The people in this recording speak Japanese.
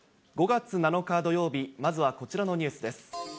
５月７日土曜日、まずはこちらのニュースです。